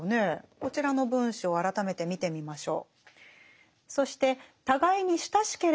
こちらの文章を改めて見てみましょう。